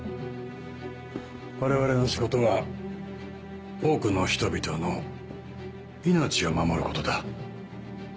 我々の仕事は多くの人々の命を守ることだ。